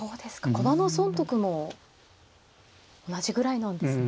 駒の損得も同じぐらいなんですね。